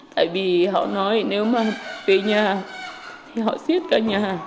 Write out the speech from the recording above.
tại vì họ nói nếu mà về nhà thì họ xuyết cả nhà